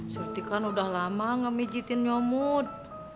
surti kan udah lama gak pijitin nyamud